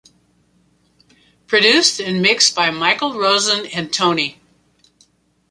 Produced and Mixed by Michael Rosen and Tone.